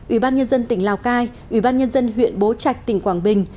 ủy ban nhân dân tỉnh lào cai ủy ban nhân dân huyện bố trạch tỉnh quảng bình